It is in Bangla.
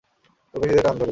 ওর পেশীতে টান ধরেছে!